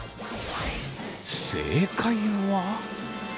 正解は。